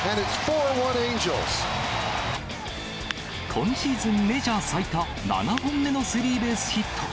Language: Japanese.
今シーズン、メジャー最多、７本目のスリーベースヒット。